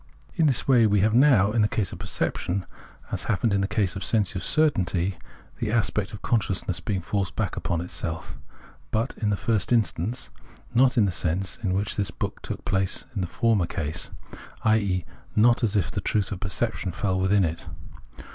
In this way we have, now, in the case of perception, as happened in the case of sensuous certainty, the aspect of consciousness being forced back upon itself ; but, in the first instance, not in the sense in which Perception .113 this took place in the former case — i.e. not as if the truth of perception fell within it.